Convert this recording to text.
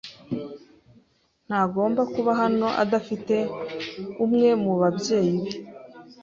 ntagomba kuba hano adafite umwe mubabyeyi be.